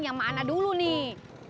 yang mana dulu nih